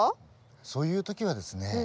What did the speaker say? そういう時はですね